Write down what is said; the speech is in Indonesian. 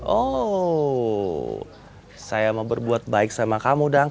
oh saya mau berbuat baik sama kamu dong